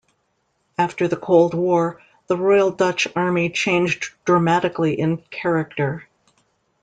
After the Cold War, the Royal Dutch Army changed dramatically in character.